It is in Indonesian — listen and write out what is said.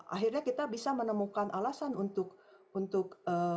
akhirnya kita bisa menemukan alasan untuk